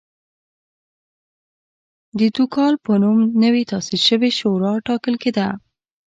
د دوکال په نوم نوې تاسیس شوې شورا ټاکل کېده.